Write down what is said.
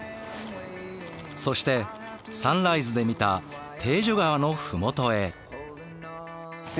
そしてサンライズで見たテージョ川のふもとへ。